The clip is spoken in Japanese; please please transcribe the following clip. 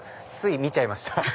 つい見ちゃいました。